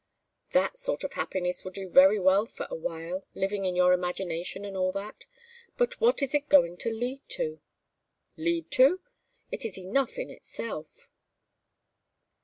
"That sort of happiness will do very well for a while living in your imagination and all that. But what is it going to lead to?" "Lead to? It is enough in itself."